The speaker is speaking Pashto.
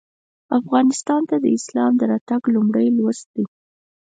افغانستان ته د اسلام راتګ لومړی لوست دی.